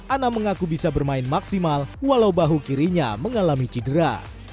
ana mengaku bisa bermain maksimal walau bahu kirinya mengalami cedera